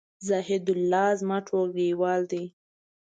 زاهیدالله زما ټولګیوال دی